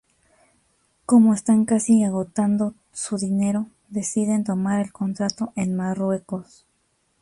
Como están casi agotando su dinero, deciden tomar el contrato en Marruecos.